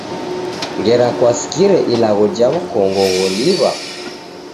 Ngera kwasikire ilagho ja w'ukongo gholiw'a?